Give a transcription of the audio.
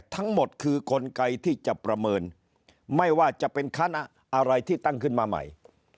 ทั้งหมดคือกลไกที่จะประเมินไม่ว่าจะเป็นคณะอะไรที่ตั้งขึ้นมาใหม่